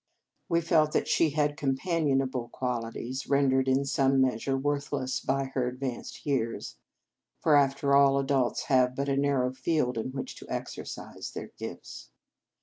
We felt that she had companionable qualities, rendered in some measure worthless by her ad vanced years; for, after all, adults have but a narrow field in which to exercise their gifts.